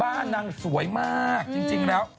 บ้านนางสวยมากจริงแล้ว